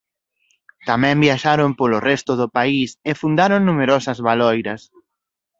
Tamén viaxaron polo resto do país e fundaron numerosas Baloiras.